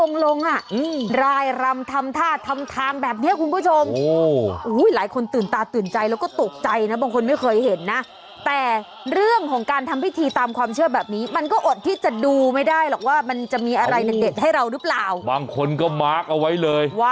ความเชื่อแบบนี้มันก็อดที่จะดูไม่ได้หรอกว่ามันจะมีอะไรเด็ดเด็ดให้เรารึเปล่าบางคนก็มาร์กเอาไว้เลยว้า